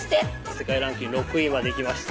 世界ランキング６位までいきました